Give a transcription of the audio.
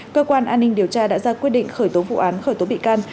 cơ quan an ninh điều tra đã ra quyết định khởi tố vụ án khởi tố bị can